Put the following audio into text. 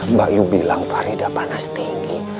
mbak yu bilang parida panas tinggi